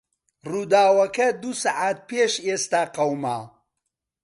ڕووداوەکە دوو سەعات پێش ئێستا قەوما.